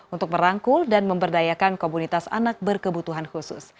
untuk merangkul dan memberdayakan komunitas anak berkebutuhan khusus